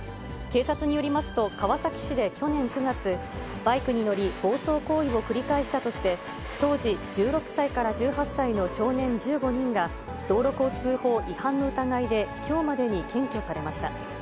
警察によりますと、川崎市で去年９月、バイクに乗り、暴走行為を繰り返したとして、当時１６歳から１８歳の少年１５人が、道路交通法違反の疑いで、きょうまでに検挙されました。